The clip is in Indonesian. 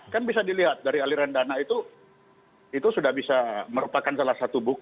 kan bisa dilihat dari aliran dana itu itu sudah bisa merupakan salah satu bukti